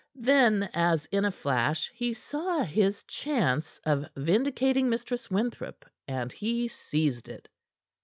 Then, as in a flash, he saw his chance of vindicating Mistress Winthrop, and he seized it.